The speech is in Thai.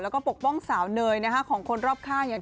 แล้วก็ปกป้องสาวเนยของคนรอบข้างอย่าง